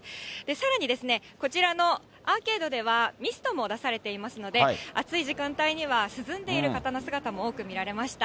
さらにですね、こちらのアーケードでは、ミストも出されていますので、暑い時間帯には、涼んでいる方の姿も多く見られました。